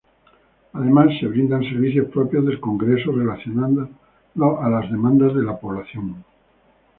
Además se brindan servicios propios del congreso relacionados a las demandas de la población.